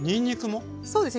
そうですね。